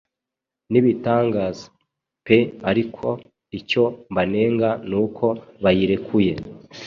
Nibitangaz pe Arko Icyo Mbanenga Nuko Bayirekuye